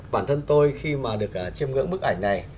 bản thân tôi khi mà được chiêm ngưỡng bức ảnh này